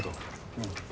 うん。